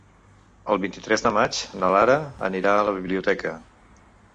El vint-i-tres de maig na Lara anirà a la biblioteca.